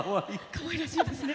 かわいらしいですね。